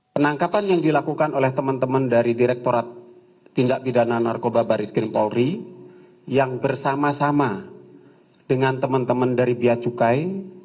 penangkapan yang dilakukan oleh teman teman dari direkturat tindak pidana narkoba baris krim polri yang bersama sama dengan teman teman dari biacukai